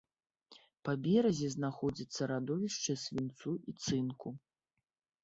Па беразе знаходзяцца радовішчы свінцу і цынку.